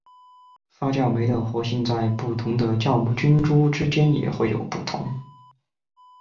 发酵酶的活性在不同的酵母菌株之间也会有不同。